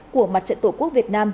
của mặt trận tổ quốc việt nam